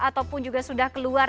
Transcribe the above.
ataupun juga sudah keluar